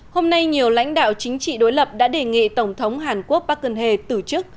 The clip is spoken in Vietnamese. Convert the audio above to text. hôm nay nhiều lãnh đạo chính trị đối lập đã đề nghị tổng thống hàn quốc park geun hye tử chức